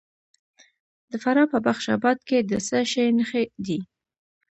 د فراه په بخش اباد کې د څه شي نښې دي؟